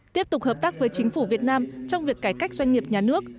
tiếp tục hợp tác với chính phủ việt nam trong việc cải cách doanh nghiệp nhà nước